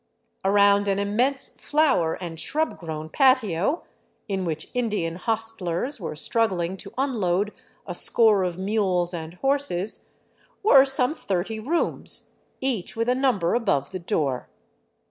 Around an immense flower and shrub grown patio, in which Indian hostlers were struggling to un load a score of mules and horses, were some thirty rooms, each with a number above the door.